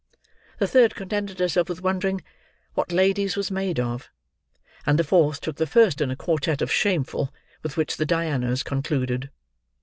The third contented herself with wondering "what ladies was made of"; and the fourth took the first in a quartette of "Shameful!" with which the Dianas concluded.